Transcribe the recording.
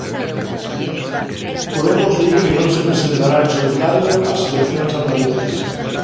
Podemos di que non se presentará en solitario ás eleccións andaluzas.